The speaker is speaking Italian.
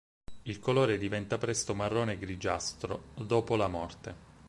Il colore diventa presto marrone grigiastro dopo la morte.